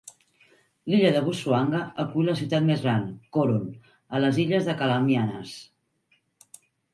L'illa de Busuanga acull la ciutat més gran, Coron, a les illes de Calamianes.